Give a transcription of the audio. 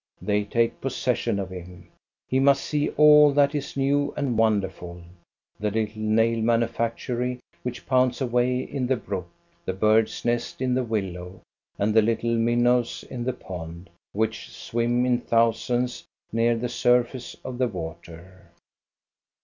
They take possession of him. He must see all that is new and wonderful : the little nail manufactory which pounds away in the brook, the bird's nest in the willow, and the little minnows in the pond, which swim in thousands near the surface of the water.